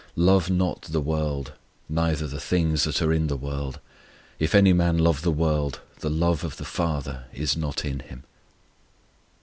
"Love not the world, neither the things that are in the world. If any man love the world, the love of the FATHER is not in him."